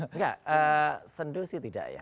enggak sendu sih tidak ya